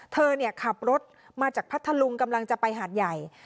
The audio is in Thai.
เธอขับรถมาจากพัทธลุงกำลังจะไปหาดใหญ่